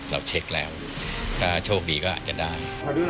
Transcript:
เราเช็คแล้วถ้าโชคดีก็อาจจะได้